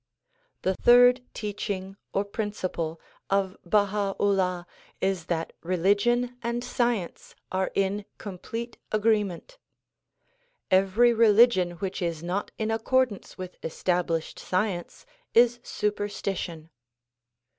The third teaching or principle of Baha 'Ullah is that religion and science are in complete agreement. Every religion which is not in accordance with established science is superstition.